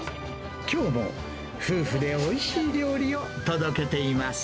きょうも夫婦でおいしい料理を届けています。